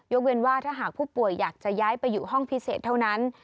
เว้นว่าถ้าหากผู้ป่วยอยากจะย้ายไปอยู่ห้องพิเศษเท่านั้น